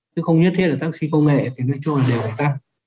chứ không như thế là taxi công nghệ thì người chung là đều phải tăng